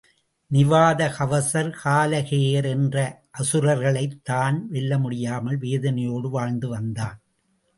நிவாத கவசர், கால கேயர் என்ற அசுரர்களைத் தான் வெல்ல முடியாமல் வேதனையோடு வாழ்ந்து வந்தான்.